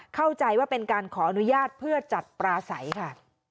เข้าใจว่าเป็นการขออนุญาตเพื่อจัดปลาใสค่ะ